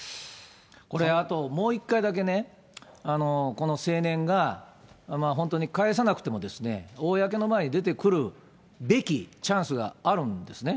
これあともう一回だけね、この青年が、本当に返さなくても、公の場に出てくるべきチャンスがあるんですね。